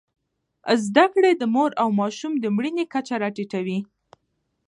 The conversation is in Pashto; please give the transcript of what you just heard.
زدهکړې د مور او ماشوم د مړینې کچه راټیټوي.